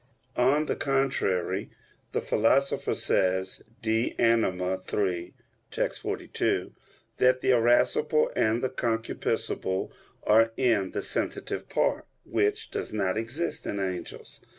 On the contrary, The Philosopher says (De Anima iii, text. 42) that the irascible and concupiscible are in the sensitive part, which does not exist in angels.